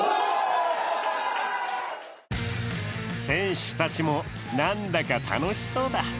選手たちもなんだか楽しそうだ。